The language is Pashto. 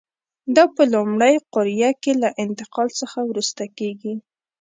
دا په لومړۍ قوریه کې له انتقال څخه وروسته کېږي.